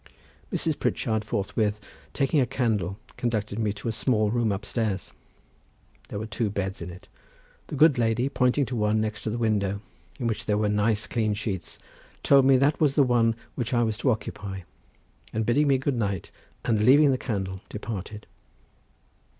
Mrs. Pritchard forthwith taking a candle conducted me to a small room upstairs. There were two beds in it. The good lady pointed to one, next the window, in which there were nice clean sheets, told me that was the one which I was to occupy, and bidding me good night, and leaving the candle, departed.